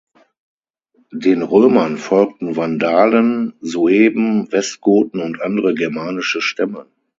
Den Römern folgten Vandalen, Sueben, Westgoten und andere germanische Stämme.